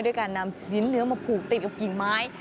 ด้วยการนำชิ้นเนื้อมาผูกติดกับกิ่งไม้